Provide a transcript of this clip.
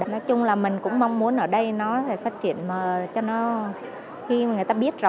nói chung là mình cũng mong muốn ở đây nó phát triển cho nó khi người ta biết rồi